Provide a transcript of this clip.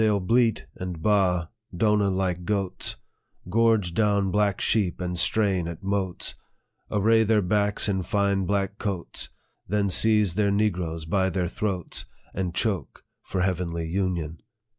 " They'll bleat and baa, dona like goats, Gorge down black sheep, and strain at motes, Array their backs in fine black coats, Then seize their negroes by their throats And choke, for heavenly union.